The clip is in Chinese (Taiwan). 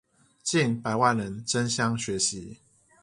近百萬人爭相學習